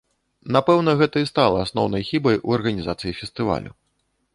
Напэўна, гэта і стала асноўнай хібай у арганізацыі фестывалю.